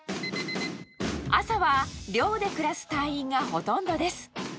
朝は寮で暮らす隊員がほとんどです。